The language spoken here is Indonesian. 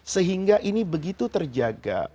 sehingga ini begitu terjaga